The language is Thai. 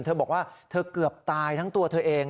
เธอบอกว่าเธอเกือบตายทั้งตัวเธอเอง